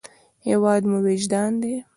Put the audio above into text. هېواد مو وجدان دی